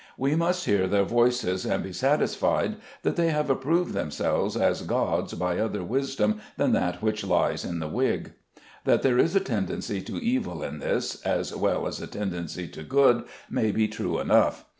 We must hear their voices and be satisfied that they have approved themselves as gods by other wisdom than that which lies in the wig. That there is a tendency to evil in this as well as a tendency to good may be true enough.